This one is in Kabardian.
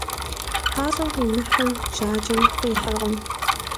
Пащӏэм къимыхьыр жьакӏэм къихьыркъым.